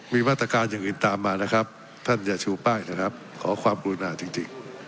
มีมาตรการเยืนตามมานะครับท่านอย่าชูป้ายเข้าเลยนะครับขอความรุนมาจริง